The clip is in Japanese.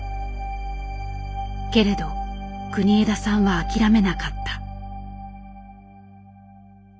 けれど国枝さんは諦めなかった。